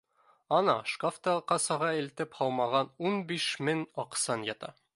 — Ана, шкафта кассаға илтеп һалмаған ун биш мең аҡсаң ята